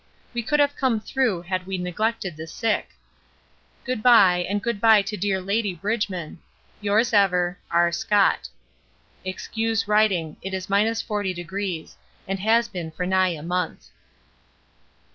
We could have come through had we neglected the sick. Good bye, and good bye to dear Lady Bridgeman. Yours ever, R. SCOTT. Excuse writing it is 40°, and has been for nigh a month.